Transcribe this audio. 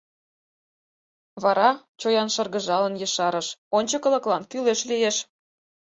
Вара, чоян шыргыжалын, ешарыш: — Ончыкылыклан кӱлеш лиеш.